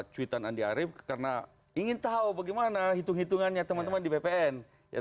cuitan andi arief karena ingin tahu bagaimana hitung hitungannya teman teman di bpn